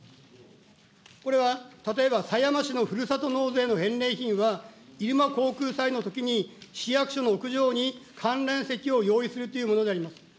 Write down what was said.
これは例えば狭山市のふるさと納税の返礼品は、入間航空祭のときに、市役所の屋上に観覧席を用意するというものであります。